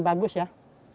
dan jumlah lebah